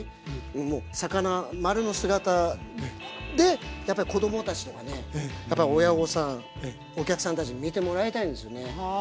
もう魚まるの姿でやっぱり子供たちとかね親御さんお客さんたちに見てもらいたいんですよね。